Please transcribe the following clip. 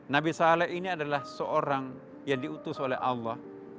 nabi saleh ini adalah seorang yang diutus oleh allah